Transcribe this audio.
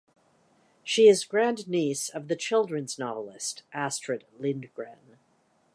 She is grandniece of the children's novelist Astrid Lindgren.